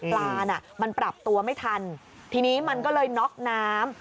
น่ะมันปรับตัวไม่ทันทีนี้มันก็เลยน็อกน้ำ